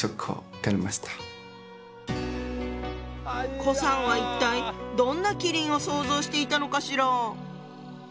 顧さんは一体どんな麒麟を想像していたのかしら？